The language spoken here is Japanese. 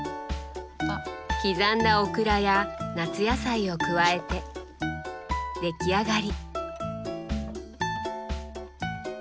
刻んだオクラや夏野菜を加えて出来上がり。